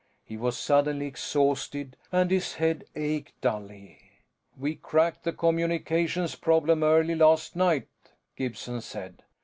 He was suddenly exhausted, and his head ached dully. "We cracked the communications problem early last night," Gibson said.